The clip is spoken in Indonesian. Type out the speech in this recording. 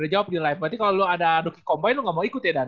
udah jawab di live berarti kalau lu ada rookie combine lu gak mau ikut ya dan